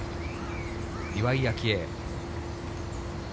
岩井明愛。